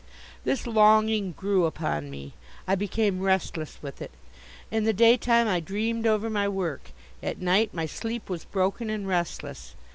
This longing grew upon me. I became restless with it. In the daytime I dreamed over my work. At night my sleep was broken and restless.